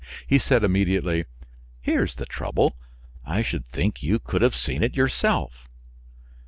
He said immediately, "Here's the trouble; I should think you could have seen it yourself."